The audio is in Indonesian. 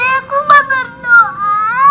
nanti aku mau berdoa